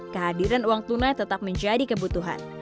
kehadiran uang tunai tetap menjadi kebutuhan